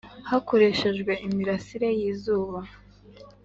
Hakoreshejwe imirasire y izuba